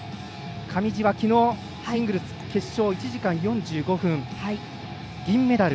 上地は昨日、シングルス決勝１時間４５分銀メダル。